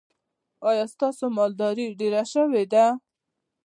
ایا ستاسو مالداري ډیره شوې ده؟